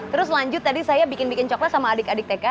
terus lanjut tadi saya bikin bikin coklat sama adik adik tk